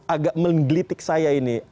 agak menggelitik saya ini